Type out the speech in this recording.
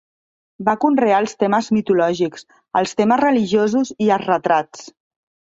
Va conrear els temes mitològics, els temes religiosos i els retrats.